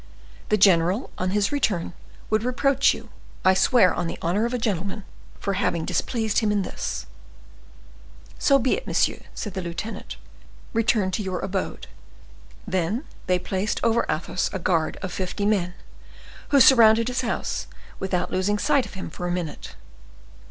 The general, on his return, would reproach you, I swear on the honor of a gentleman, for having displeased him in this." "So be it, monsieur," said the lieutenant; "return to your abode." Then they placed over Athos a guard of fifty men, who surrounded his house, without losing sight of him for a minute.